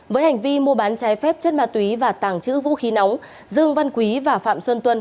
với hành vi mua bán trái phép chất ma túy và tàng trữ vũ khí nóng dương văn quý và phạm xuân tuân